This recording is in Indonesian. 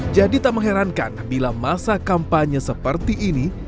jadi tak mengherankan bila masa kampanye seperti ini